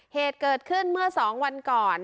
เหตุเกิดขึ้นเมื่อ๒วันก่อน